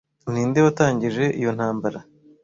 Ninde watangije iyo ntambara